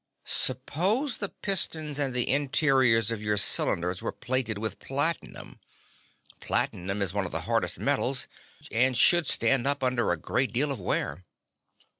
"Suppose the pistons and the interiors of your cylinders were plated with platinum? Platinum is one of the hardest metals, and should stand up under a great deal of wear."